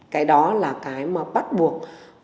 cái đó là cái mà bắt buộc